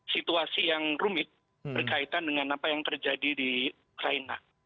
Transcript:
situasi yang rumit berkaitan dengan apa yang terjadi di ukraina